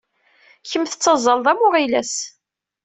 Kemm tettazzaleḍ am uɣilas.